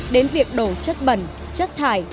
đến việc đổ chất bẩn chất thải